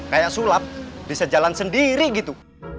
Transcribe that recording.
kayak sulap bisa jalan sendiri gitu